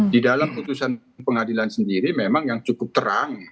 di dalam putusan pengadilan sendiri memang yang cukup terang